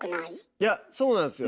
いやそうなんすよ。